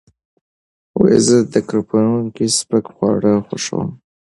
زه د کرپونکي سپک خواړه خوښوم.